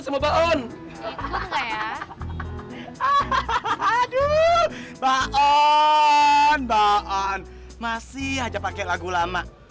mbak on mbak on masih aja pake lagu lama